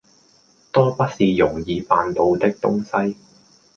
多不是容易辦到的東西。